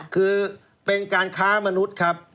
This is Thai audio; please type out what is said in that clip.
คือเป็นการค้ามนุษย์ครับ